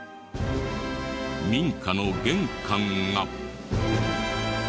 民家の玄関が。